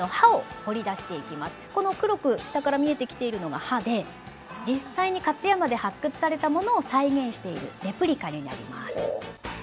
この黒く下から見えてきているのが歯で実際に勝山で発掘されたものを再現しているレプリカになります。